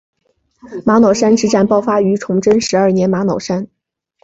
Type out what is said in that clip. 玛瑙山之战爆发于崇祯十二年玛瑙山。